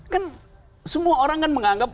kan semua orang kan menganggap